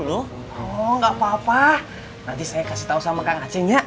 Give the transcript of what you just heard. oh gak apa apa nanti saya kasih tau sama kak ngacengnya